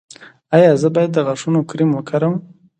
ایا زه باید د غاښونو کریم وکاروم؟